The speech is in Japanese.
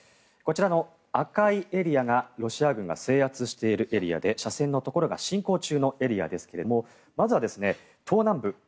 こちらの赤いエリアがロシア軍が制圧しているエリアで斜線のところが侵攻中のエリアですがまずは東南部